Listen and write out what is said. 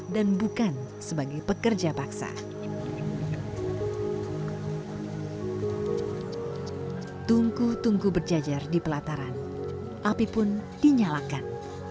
dan bukan sebagai pekerja baksa tungku tungku berjajar di pelataran api pun dinyalakan